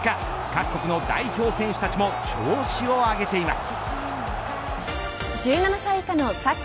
各国の代表選手たちも調子を上げています。